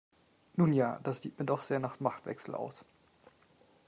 Nun ja, das sieht mir doch sehr nach Machtwechsel aus.